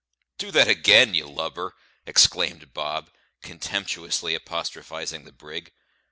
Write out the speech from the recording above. "Do that again, you lubber!" exclaimed Bob, contemptuously apostrophising the brig.